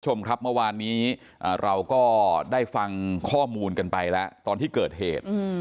คุณผู้ชมครับเมื่อวานนี้เราก็ได้ฟังข้อมูลกันไปแล้วตอนที่เกิดเหตุ